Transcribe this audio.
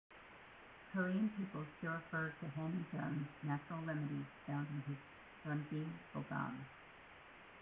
Korean people still refer to Heo Jun's natural remedies found in his "Dongui Bogam".